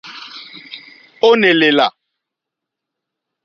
Ó ǃné lèlà.